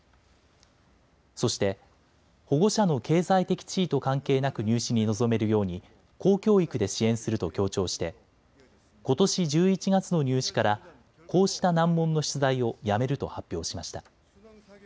そして、保護者の経済的地位と関係なく入試に臨めるように公教育で支援すると強調してことし１１月の入試からこうした難問の出題をやめると発表しました。